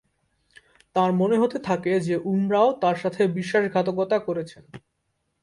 তাঁর মনে হতে থাকে যে উমরাও তাঁর সাথে বিশ্বাসঘাতকতা করেছেন।